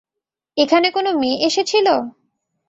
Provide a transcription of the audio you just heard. এখানে কোনো মেয়ে এসেছিল?